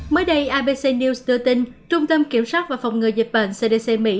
mới đây abc news đưa tin trung tâm kiểm soát và phòng ngừa dịch bệnh cdc mỹ